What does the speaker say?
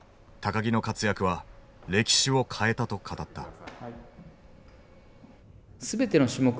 木の活躍は歴史を変えたと語った。